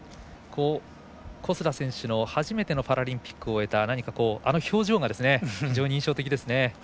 小須田選手の初めてのパラリンピックを終えたあの表情が非常に印象的ですね。